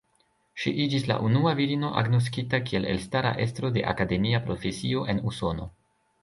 Ŝi iĝis la unua virino agnoskita kiel elstara estro de akademia profesio en Usono.